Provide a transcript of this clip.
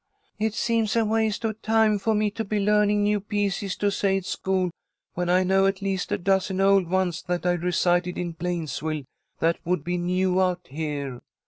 "It seems a waste of time for me to be learning new pieces to say at school when I know at least a dozen old ones that I recited in Plainsville that would be new out here.